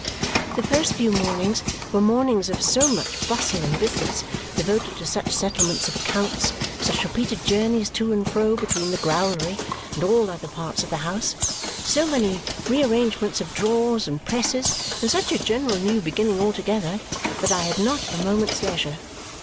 The first few mornings were mornings of so much bustle and business, devoted to such settlements of accounts, such repeated journeys to and fro between the growlery and all other parts of the house, so many rearrangements of drawers and presses, and such a general new beginning altogether, that I had not a moment's leisure.